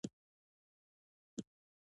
که موږ په پښتو ولیکو نو پیغام مو روښانه وي.